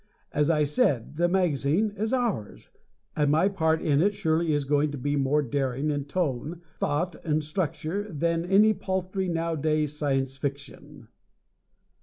As I said, the magazine is ours, and my part in it surely is going to be more daring in tone, thought and structure than any paltry nowaday Science Fiction!